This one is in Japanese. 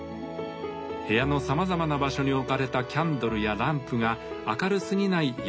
部屋のさまざまな場所に置かれたキャンドルやランプが明るすぎない